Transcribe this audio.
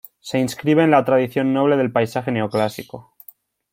Se inscribe en la tradición noble del paisaje neoclásico.